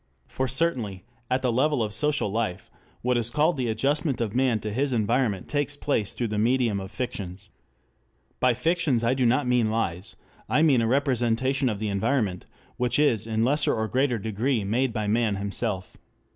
For certainly, at the level of social life, what is called the adjustment of man to his environment takes place through the medium of fictions. By fictions I do not mean lies. I mean a representation of the environment which is in lesser or greater degree made by man himself.